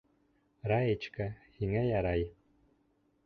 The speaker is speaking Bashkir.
Раечка, һиңә ярай.